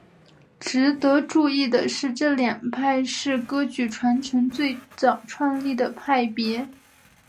值得注意的是这两派是噶举传承最早创立的派别。